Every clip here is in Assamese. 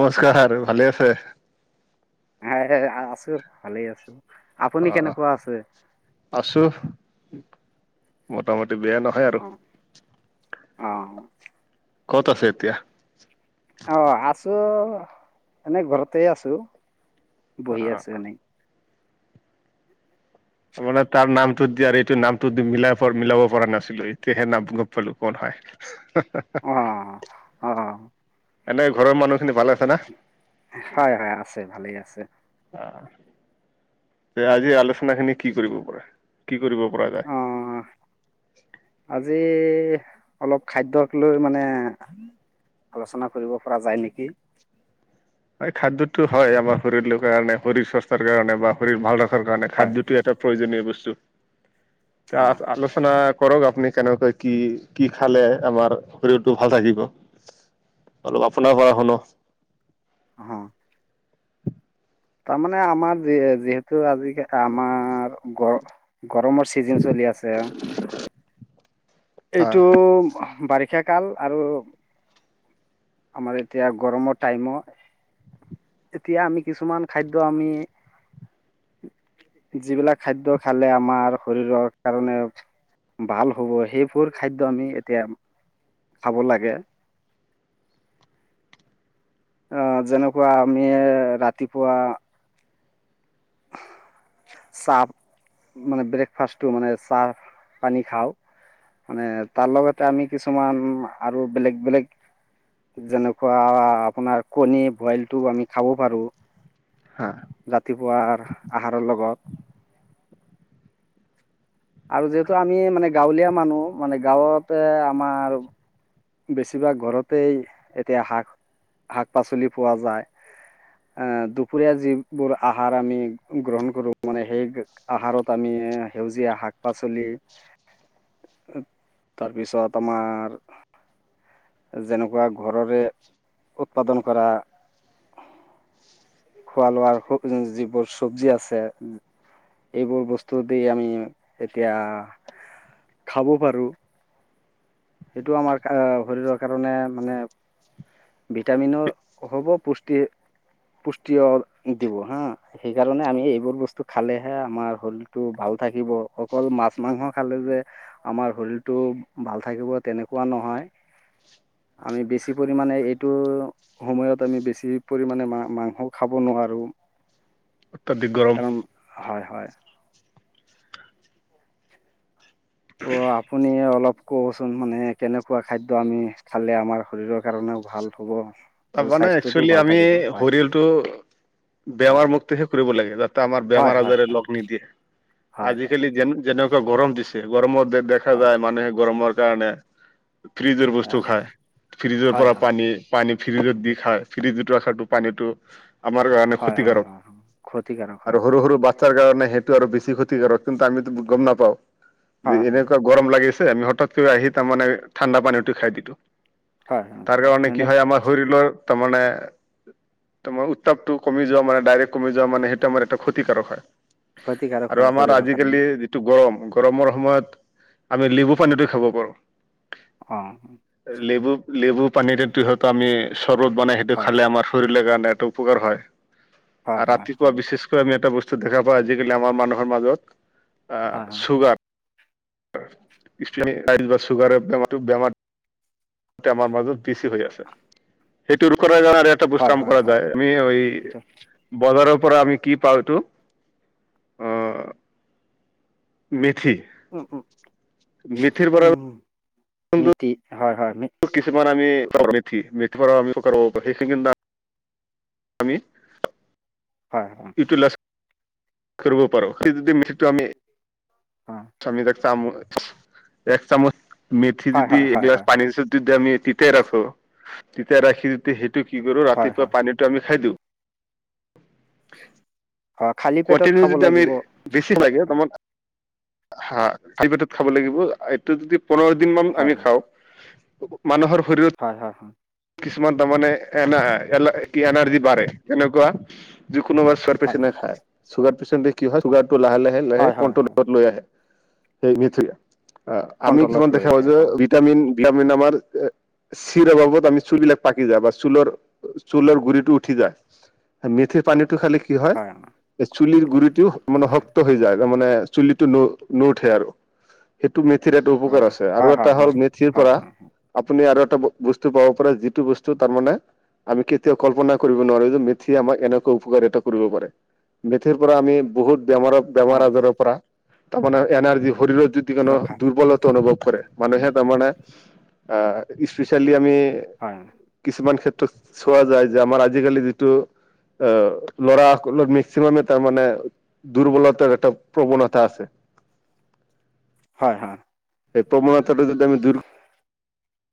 নমস্কাৰ আৰু ভালে আছে? হয়', হয়', আছো ভালে আছো। আপুনি অহ', অহ', কেনেকুৱা আছে? আছো। মোটামুটি বেয়া নহয় আৰু। অহ', ক'ত আছে এতিয়া? অহ, আছো এনে ঘৰতে আছো। অ বহি আছোঁ এনেই। তাৰমানে তাৰ নামটো দিয়া আৰু এইটো নামটো মিলাই মিলাব পৰা নাছিলো এতিয়া টো নাম গম পালো কৰ হয়। অ [unintelligible] অ এনে ঘৰৰ মানুহ খিনি ভালে আছে না? হয়', হয়', আছে ভালে আছে। তে আজি আলোচনা খিনি কি কৰিব পৰা কি কৰিব পৰা যায় অহ, আজি ইহ অলপ খাদ্যক লৈ মানে আলোচনা কৰিব পৰা যায় নেকি? হয়, খাদ্যতটো হয় আমাৰ শৰীৰৰ কাৰণে শৰীৰ স্বাস্থ্য কাৰণে বা শৰীৰ ভাল [unintelligible] হয় খাদ্যটো হয়। এটা প্ৰয়োজনীয় বস্তু অ তে আলোচনা কৰক আপুনি কেনেকৈ কি কি খালে আমাৰ শৰীৰটো ভাল থাকিব অলপ আপোনাৰ পৰা শুনো হুম তাৰমানে আমাৰ যি যিহেতু আজিকা আমাৰ গৰ গৰমৰ চিজেন চলি আছে হা এইটো বাৰিষা কাল আৰু আমাৰ এতিয়া গৰমৰ টাইমো এতিয়া আমি কিছুমান খাদ্য আমি [unintelligible] যিবিলাক খাদ্য খালে আমাৰ শৰীৰৰ কাৰণে ভাল হ'ব সেই কুৰ খাদ্য আমি এতিয়া খাব লাগে আহ যেনেকুৱা আমি ৰাতিপুৱা [unintelligible] চাহ মানে ব্ৰেকফাষ্টটো মানে চাহ পানী খাওঁ। মানে তাৰ লগতে আমি কিছুমান আৰু বেলেগ - বেলেগ যেনেকুৱা আপোনাৰ কণী বইলটো আমি খাব পাৰো। হা ৰাাতিপুৱা আহাৰ - আহাৰৰ লগত। আৰু যিহেতু আমি মানে গাঁৱলীয়া মানুহ মানে গাঁৱতে আমাৰ বেছিভাগ ঘৰতেই এতিয়া শাক -শাক -পাচলি পোৱা যায়। আহ, দুপৰীয়া যিবোৰ আহাৰ আমি গ্ৰহণ কৰো মানে সেই আহাৰত আমি সেউজীয়া শাক- পাচলি [inaudible] তাৰপিছত আমাৰ যেনেকুৱা ঘৰৰে উৎপাদন কৰা খোৱা লোৱাৰ যিবোৰ চব্জি আছে এইবোৰ বস্তু দি আমি এতিয়া খাব পাৰো সেইটো আমাৰ শৰীৰৰ কাৰণে মানে ভিটামিনৰ হ'ব পুষ্টিৰ পুষ্টি য় দিব হা সেইকাৰণে আমি এইবোৰ বস্তু খালেহে আমাৰ শৰীৰটো ভাল থাকিব অকল মাছ মাংস খালে যে আমাৰ শৰীৰটো ভাল থাকিব তেনেকুৱা নহয় আমি বেছি পৰিমাণে এইটো সময়ত আমি বেছি পৰিমামানো মাংস খাব নোৱাৰো আৰু উ কাৰণ হয় হয় ত' আপুনি অলপ কওঁচোন মানে কেনেকুৱা খাদ্য আমি খালে আমাৰ শৰীৰৰ কাৰণে ভাল হ'ব। তাৰ আৰু মানে স্বাস্থ্যটোও একচেলি ভাল আমি থাকিব হয় শৰীৰটো বেমাৰ মুক্তিহে কৰিব লাগে যাতে আমাৰ বেমাৰ হয় হয় আজাৰে লগ হয় নিদিয়ে। হয় হয় আজিকালি জেন জন গৰম দিছে গৰমত দেখা হয় যায় মানুহে গৰমৰ কাৰণে ফ্ৰিজৰ বস্তু হয় খায় ফ্ৰিজৰ হয় পৰা হয়। পানী পানী ফ্ৰিজত দি খাই ফ্ৰিজত ৰ খাতটো পানীতটো আমাৰ কাৰণে হয় হয় ক্ষতিকাৰাৰক হয় হয় ক্ষতিকাৰক হয় আৰু হয় সৰু সৰু বাচ্ছাৰ কাৰণে সেইটো আৰু বেছি ক্ষতিকাৰক কিন্তু আমিতো গম নাপাও যে হয় এনেকুৱা গৰম লাগে আমি হঠাৎকৈ আহি তাৰমানে ঠাণ্ডা পানীটো খাই দিলো হয় হয় এনে ত মমানে তোমাৰ উত্তাপটো কমি যোৱা মানে ডাইৰেক্ট কমি যোৱা মানে সেইটো আমাৰ এটা ক্ষতিকাৰক হয়। ক্ষতিকাৰক আৰু হয় আমাৰ শৰীৰৰ কাৰণে আজিকালি যিটো গৰম গৰমৰ সময়ত আমি লেবু পানীটো খাব পাৰোঁ। অ, লেমু পানীতে যিহেত আমি চৰ্বত বনাই সেইটো হয় খালে আমাৰ শৰীৰৰ কাৰণে এটা উপকাৰ হয়। হয় আৰু হয় ৰাতিপুৱা হয় বিশেষকৈ আমি এটা বস্তু দেখা পাওঁ আজিকালি আমাৰ মানুহৰ মাজত অ হয় হয় চুগাৰ স্পে ৰাইল বা ছুগাৰ বেমাৰ টো বেমাৰ আমাৰ মাজত বেছি হৈ আছে সেইটো ৰখ টা হয় বুস্তাম হয় কৰা হয় যায় আমি এইটো বজাৰৰ পৰা আমি কি পাওঁ এইটো মেথি। উম উম মিথিৰ পৰা। মিথি হয় হয়। কিছুমান আমি কৰ মিথি মিথি পৰা আমি কৰো সেইখ কি। আমি। হয় হয়। ইউটিলাইজ কৰিব পাৰো স যদি সটো আমি হয় স্বামিক। চামচ এক চামচ মেথি হয় যদি হয় হয় এইবিল পানীৰ হিচ য। আমি তিতাই ৰাখো তিতাই ৰাখি যয়া সেইটো কি কৰো হয় ৰাতিপুৱা হয় পানীটো আমি খাই দিওঁ। [inaudible] হয় খালী পেটত কন্টিনিউ খাব যদি আমি লাগিব বেছি লাগে হয় তোমাৰ। হাপেটত খাব লাগিব এইটো যদি পোন্ধৰ দিন মান হয় আমি খাওঁ। মানুহৰ। শৰীৰত হয় হয় হয়। কিছুমান তাৰমানমানে এ এ কি এনাৰ্জি বাঢাৰে কেনেকুৱা। কোনোবা হয় খ চুাৰ পেচেণ্ট কি হয়ুাৰটো লাহে লাহে লাহে হয় হয় হয় ক্ৰলত লৈ আহে সেই মিথু আহ আমি কণ্ট্ৰলত কিমান লৈ দেখা পা আহে যে হয় ভিটামিন। ভিটামিন আমাৰ চিৰ অবাবত আমি চুলবলাক পাকি যা বা চুলৰ চুলৰ গুৰিটো উঠি যায়। মেথিৰ পানীটো খালে কি হয় যে চুলিৰ গুড়িটোও মানে হয় শক্ত হৈ যায়। তাৰ মানে চুলিটো ন নুঠে আৰু সেই। টো মেথিৰ এটো উপকাৰ হয় আছে আৰু হয় এটা হয় হ'ল মেথিৰ হয় পৰা হয় হয় আপুনি আৰু। বস্তু পাব পাৰে যিটো বস্তু তাৰ মানে। আমি কেতিয়াও কল্পনা কৰিব নোৱাৰো যে মিথিয়ে আমাক এনেকুৱা উপকাৰ এটা কৰিব পাৰে। মিথিৰ পৰা আমি বহুত বেমাৰ বেমাৰ অঁ আজাৰ পৰা তাৰমানে এনাৰ্জি শৰীৰ। যদি কোনো ৰখা দুৰ্বলতা অনুভৱ কৰে মানুহে তাৰমানে আহ স্পেচিয়েলি আমি। হয় কিছুমান ক্ষেত্ৰত। চোৱা যায় যে আমাৰ আজিকালি যিটো অ ল'ৰা। সিমামে তাৰ মানে দুৰ্বলতাৰ এটা প্ৰৱণতা আছে। হয় হয়। এই প্ৰৱণতাটো যদি আমি দূৰ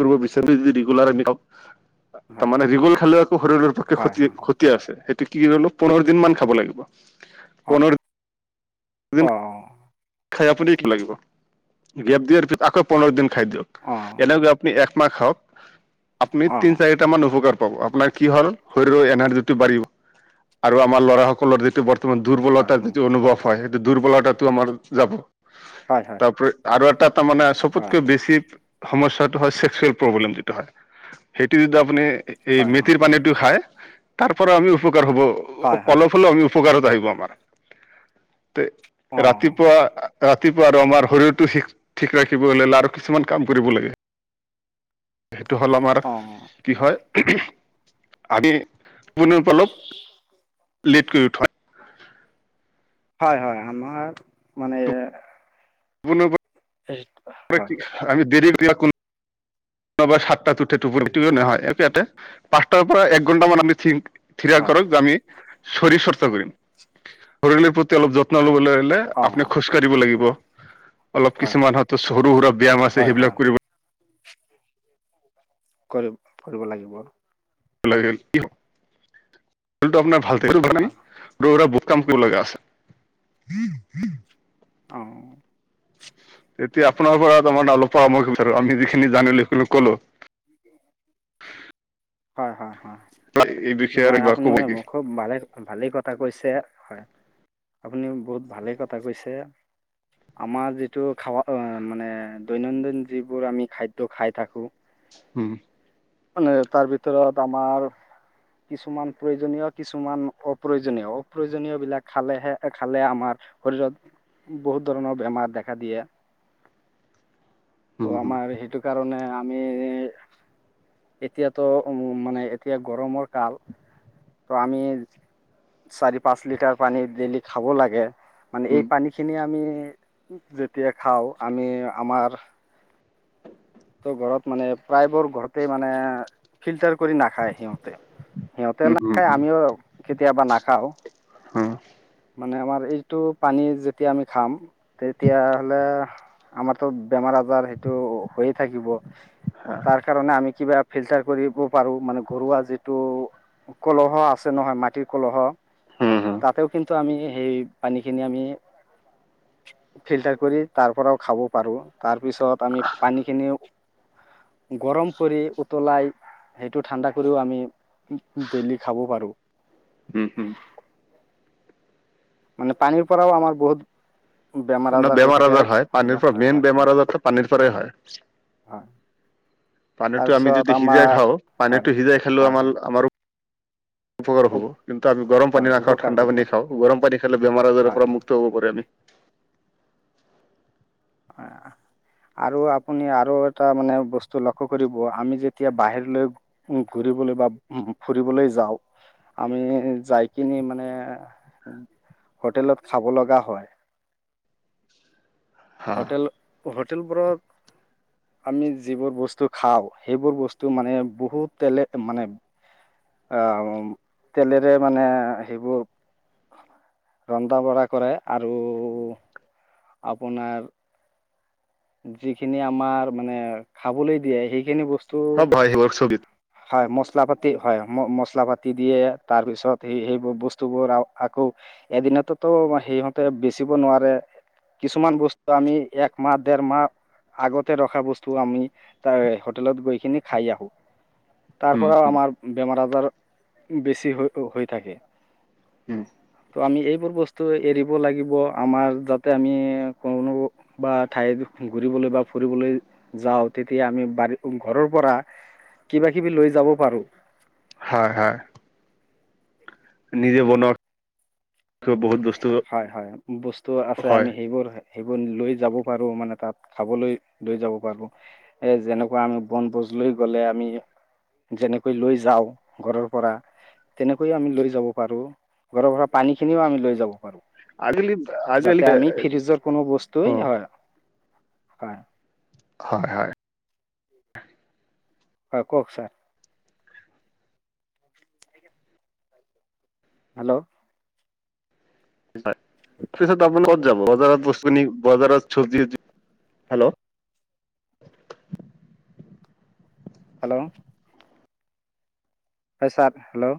কৰিব বিচাৰো যদি ৰেগোলাৰ তাৰমানে ৰিগল খালে আকৌ শৰীৰৰ হয় পক্ষেতি হয় হয় ক্ষতি আছে সেইটো। কি হলো পোন্ধৰ দিন মান খাব লাগিব অঁ পোন্ধৰ অঁ দিন। অঁ খাই আপুনি কি লাগিব গ্ৰেপ দিয়াৰ পিছত আকৌ পোন্ধৰ দিন খাই দিয়ক এনেকে আপুনি এক। এক মা খওক আপুনি অঁ তিনি চাৰিটা মান উপকাৰ। আপোনাৰ কি হল শৰীৰ এনাৰ্জিটো বাঢ়িব আৰু আমাৰ লৰা সকলৰ যিটো। তোমাৰ অঁ অঁ দুৰ্বলতাৰ যটো অনুভৱ হয় সেইটো দুৰ্বলতাটো আমাৰ যাব। হয় হয় তাপৰি আৰু এটা তাৰমানানে হয় চবতকে বেছি। সমস্যাটো হয় চেক্সুৱেল প্ৰব্লেম যিটো হয় সেইটো যটো আপুনি। এই হয় হয় হয় মিথিৰ পানীটো খাই তাৰ পৰা আমি উপকাৰ হব হয় হয় হয় অলপ হ'লেও আমি। উপকাৰত আহিব আমাৰ তে ৰাতি। অঁ ৰাতিপুৱা আৰু আমাৰ শৰীৰটো ঠিক ৰাখিব হ'লে আৰু কিছুমান কাম কৰিব লাগে। সেইটো হ'ল আমাৰ অঁ কি হয় আমি। আপোনি অলপ লেট কৰি উঠ। হয় হয় আমাৰ মানে। বুলো। হয় হয় আমি দেৰিকৈ কোন বি সাতটা উঠে প হয়তে পাঁচটাৰ পৰা এক ঘন্টা মান আমি থ। [unintelligible] থিৰাঙ কৰক আমি শৰীৰ চৰ্চা কৰিম শৰীৰৰ প্ৰতি অলপ যত্ন লবলৈ। অঁ আপুনি খোজকাঢ়িব লাগিব। অলপ হয় কিছুমান হয়ত সৰু সুৰা ব্যায়াম আছে হয় হয় সেইবিলাক কৰিব কৰিব কৰিব লাগিব টো আপোনাৰ ভাল নাই হয় কম ক লাগাছে অ তেতিয়া আপোনাৰ পৰা তাৰমাৰ অলপ পৰামৰ্শ বিচাৰো আমি যিখিনি জানিলোখিনি কলো উ [unintelligible] হয় হয় হয় এই বিষয়ে আৰু নয় কিবা আপুনি কব নেকি খুব ভালে ভালেই কথা কৈছে হয় আপুনি বহুত ভালে কথা কৈছে আমাৰ যিটো খাবা মানে দৈনন্দিন যিবোৰ আমি খাদ্য খাই থাকো। উম মানে তাৰ ভিতৰত আমাৰ কিছুমান প্ৰয়োজনীয় কিছুমান অপ্ৰয়োজনীয়। অপ্ৰয়োজনীয় বিলাক খালেহে খালে আমাৰ শৰীৰত বহুত ধৰণৰ বেমাৰ দেখা দিয়ে। [inaudible] ত' আমাৰ সেইটো কাৰণে আমি এতিয়াতো উ মানে এতিয়া গৰমৰ কাল ত আমি চাৰি পাঁচ লিটাৰ পানী ডেইলি খাব লাগে। মানে এই পানী খিনি আমি যেতিয়া খাওঁ আমি আমাৰ ত' ঘৰত মানে প্ৰায়বোৰ ঘৰতে মানে ফিল্টাৰ কৰি নাখায় সিহঁতে সিহঁতে নাখায় আমিও কেতিয়াবা নাখাওঁ। হম মানে আমাৰ এইটো পানী যেতিয়া আমি খাম তেতিয়াহলে আমাৰতো বেমাৰ আজাৰ সেইটো হৈয়ে থাকিব তাৰ কাৰণে আমি কিবা ফিল্টাৰ কৰিব পাৰো মানে ঘৰুৱা যিটো কলহ আছে নহয় মাটিৰ কলহ তাতে কিন্তু আমি সেই পানীখিনি আমি ফিল্টাৰ কৰি তাৰ পৰাও খাব পাৰো তাৰ পিছত আমি পানীখিনি গৰম কৰি উতলাই সেইটো ঠাণ্ডা কৰিও আমি ডেইলি খাব পাৰো উম হম মানে পানীৰ পৰাও আমাৰ বহুত বেমাৰ আজাৰ হয় পানীৰ পৰা হয় মেইন হয় বেমাৰ আজাৰতো পানীৰ পৰাই হয় হয় পানীতটো আমি তাৰপিছত যদি সিজাই আমাৰ খাওঁ হয় পানীটো সিজাই খালেও হয় আমাৰ হয় আমাৰো উপকাৰ হব উপ- কিন্তু আমি গৰম হয় পানী নাওঁ উপকাৰ ঠাণ্ডা হ'ব পানী খাওঁ গৰম পানী খালে বেমাৰ আজাৰৰ হয় পৰা হয়। মুক্ত হব পাৰে আমি [unintelligible] আৰু আপুনি আৰু এটা মানে বস্তু লক্ষ্য কৰিব আমি যেতিয়া বাহিৰলৈ ঘূৰি ফুব বা ফুৰিবলৈ যাওঁ আমি যাই কিনি মানে হোটেলত খাব লগা হয়। [unintelligible] হোটেল হোটেল ব্ৰক আমি যিবোৰ বস্তু খাওঁ সেইবোৰ বস্তু মানে বহুত তেলে মানে তেলেৰে মানে সেইবোৰ ৰন্ধ বৰা কৰে আৰু আপোনাৰ যিখিনি আমাৰ মানে খাবলৈ দিয়ে সেইখিনি বস্তু সব হয় সেইবোৰ ছবিত হয় মচ হয় মছলা পাই দিয়ে তাৰ পাছত সেইবোৰ বস্তুবোৰ এ সিহঁতে বেচিব নোৱাৰে কিছুমান বস্তু আমি এক [unintelligible] তোমাৰ আগতে ৰখা বস্তু আমি তাৰ হোটেলত গৈখিনি খাই আহোঁ [unintelligible] তাৰ হুম, পৰাও হুম, আমাৰ বেমাৰ আজাৰ বেছি হৈ হৈ থাকে উম তো আমি এইবোৰ বস্তু এৰিব লাগিব আমাৰ যাতে আমি কোনো বা ঠাইত ঘুৰিবলৈ বা ফুৰিবলৈ যাওঁ তেতিয়া আমি বাৰী ঘৰৰ পৰা কিবা কিবি লৈ যাব পাৰো হয় হয় নিজে বনোৱা বহুত বস্তু হয় হয় বস্তু আছে হয় আমি সেইবোৰ সেইবোৰ লৈ যাব পাৰো মানে তাত খাবলৈ লৈ যাব পাৰো এ যেনেকুৱা আমি বন বস্তু লৈ গ'লে আমি যেনেকৈ লৈ যাওঁ ঘৰৰ পৰা তেনেকৈয়ে আমি লৈ যাব পাৰো ঘৰৰ পৰা পানী খিনিও আমি লৈ যাব পাৰো আগলি [unintelligible] যাতে আমি ফ্ৰিজৰ কোনো অ, বস্তুৱে হয় হয় হয় হয় হয় কওক ছাৰ হেল্ল' পিছত আপোন কত যাব বজাৰত বস্তু বজাৰত চব্জি [unintelligible] হেল্ল' হেল্ল', হয়ছাৰ হেল্ল',